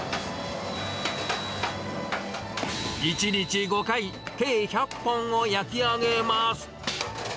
１日５回、計１００本を焼き上げます。